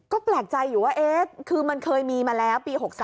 ก็แปลกใจอยู่ว่าคือมันเคยมีมาแล้วปี๖๓